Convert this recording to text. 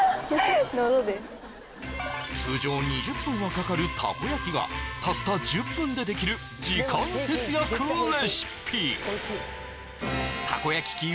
喉で通常２０分はかかるたこ焼きがたった１０分でできる時間節約レシピ